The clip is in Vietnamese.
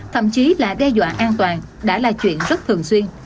thậm chí là đe dọa an toàn đã là chuyện rất thường xuyên